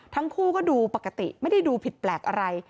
ทั้งคู่ก็ดูปกติไม่ได้ดูผิดแปลกอะไร